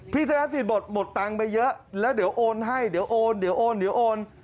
พี่ธนาสิสหมดตังค์ไปเยอะแล้วเดี๋ยวโอนให้เดี๋ยวโอน